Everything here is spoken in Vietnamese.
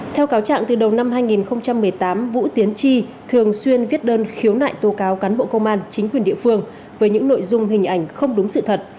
theo cáo trạng từ đầu năm hai nghìn một mươi tám vũ tiến tri thường xuyên viết đơn khiếu nại tố cáo cán bộ công an chính quyền địa phương với những nội dung hình ảnh không đúng sự thật